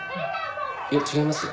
いや違いますよ。